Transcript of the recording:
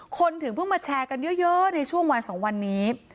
ถึงเพิ่งมาแชร์กันเยอะในช่วงวัน๒วันนี้